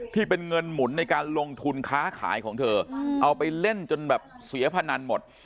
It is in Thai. ที่เป็นเงินหมุนในการลงทุนค้าขายของเธอเอาไปเล่นจนแบบเสียพนันหมด